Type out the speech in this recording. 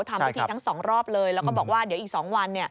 ทำพิธีทั้งสองรอบเลยแล้วก็บอกว่าเดี๋ยวอีก๒วัน